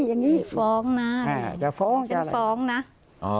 อย่างงี้ฟ้องน่ะอ่าจะฟ้องจะอะไรเป็นฟ้องน่ะอ๋อเหรออ่า